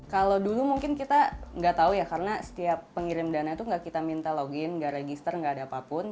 kalau dulu mungkin kita nggak tahu ya karena setiap pengirim dana itu nggak kita minta login gak register nggak ada apapun